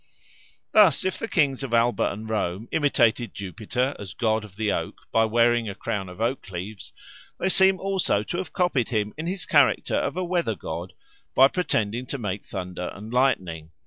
Thus, if the kings of Alba and Rome imitated Jupiter as god of the oak by wearing a crown of oak leaves, they seem also to have copied him in his character of a weather god by pretending to make thunder and lightning.